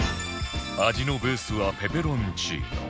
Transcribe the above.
味のベースはペペロンチーノ